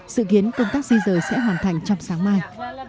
sự kiến công tác di rời sẽ hoàn thành trong sáng mai